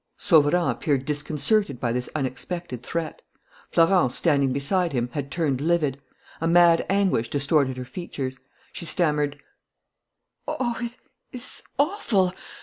Sauverand appeared disconcerted by this unexpected threat. Florence, standing beside him, had turned livid. A mad anguish distorted her features. She stammered: "Oh, it is awful!